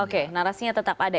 oke narasinya tetap ada